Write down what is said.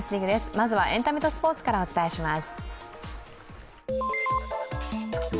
まずはエンタメとスポーツからお伝えします。